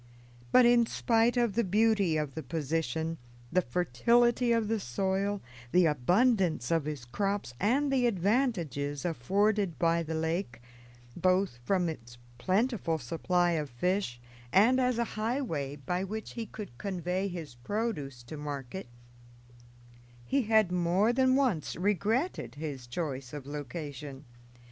But in spite of the beauty of the position, the fertility of the soil, the abundance of his crops, and the advantages afforded by the lake, both from its plentiful supply of fish and as a highway by which he could convey his produce to market, he had more than once regretted his choice of location.